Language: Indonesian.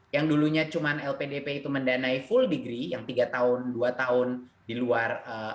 yang dulunya cuma lpdp itu mendanai full degree yang tiga tahun dua tahun di luar